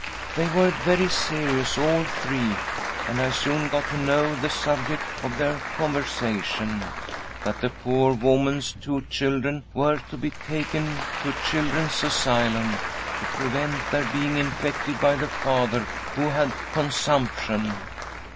They were very serious, all three, and I soon got to know the subject of their conversation — that the poor woman's two children were to be taken to a children's asylum, to prevent their being infected by the father, who had consumption.